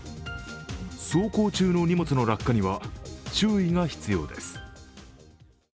走行中の荷物の落下には注意が必要です。